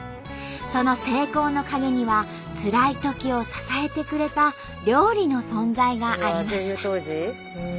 その成功の陰にはつらいときを支えてくれた料理の存在がありました。